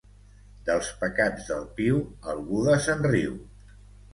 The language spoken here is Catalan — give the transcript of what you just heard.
Dels pecats del piu, el Buda se'n riu.